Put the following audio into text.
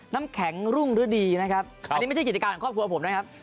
น้ำแข็งรุ่งฤดีนะครับอันนี้ไม่ใช่กิจการของครอบครัวผมนะครับ